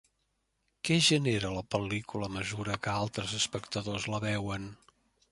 Què genera la pel·lícula a mesura que altres espectadors la veuen?